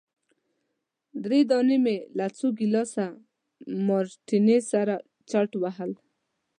درې دانې مي له څو ګیلاسه مارټیني سره چټ وهل.